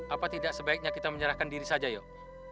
apa tidak sebaiknya kita menyerahkan diri saja yuk